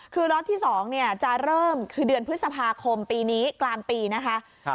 คือล็อตที่๒จะเริ่มคือเดือนพฤษภาคมปีนี้กลางปีนะคะ